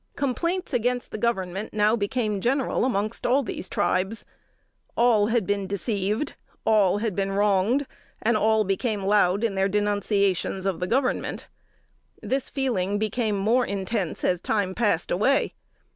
Complaints against the Government now became general among all these tribes. All had been deceived; all had been wronged; and all became loud in their denunciations of the Government. This feeling became more intense as time passed away.